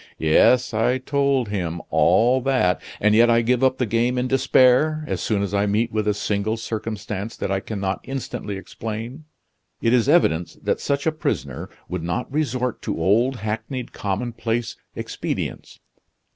Yes; I told him all that, and yet I give up the game in despair as soon as I meet with a single circumstance that I can not instantly explain. It is evident that such a prisoner would not resort to old, hackneyed, commonplace expedients.